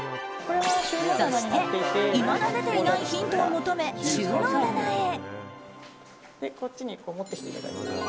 そして、いまだ出ていないヒントを求め収納棚へ。